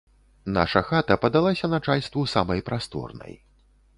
Наша хата падалася начальству самай прасторнай.